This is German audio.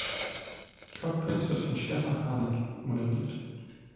CogPrints wird von Stevan Harnad moderiert.